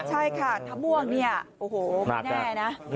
ถ้าม่วงเนี่ยไม่แน่นะ